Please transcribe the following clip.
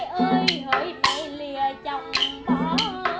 chiếc chiếu mây đào